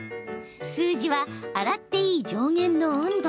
数字は洗っていい上限の温度。